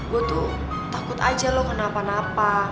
gue tuh takut aja loh kenapa napa